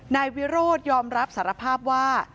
นายวิโรธยอมรับสารภาพว่า